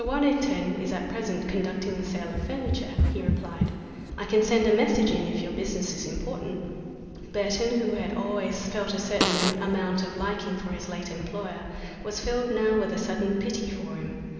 Waddington is at present conducting a sale of furniture," he replied. "I can send a message in if your business is important." Burton, who had always felt a certain amount of liking for his late employer, was filled now with a sudden pity for him.